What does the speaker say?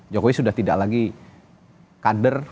jokowi sudah tidak lagi kader